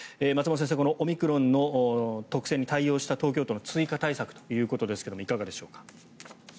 松本先生このオミクロンの特性に対応した東京都の追加対策ということですがいかがでしょうか。